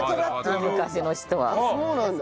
昔の人は。